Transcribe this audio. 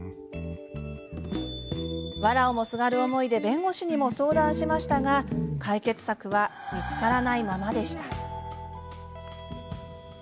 わらをもすがる思いで弁護士にも相談しましたが解決策は見つからないままでした。